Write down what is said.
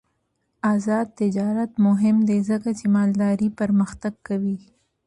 آزاد تجارت مهم دی ځکه چې مالداري پرمختګ کوي.